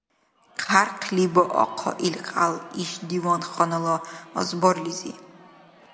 Хъярхъли баахъа ил кьял иш диванханала азбарлизи!